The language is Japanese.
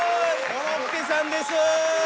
コロッケさんです。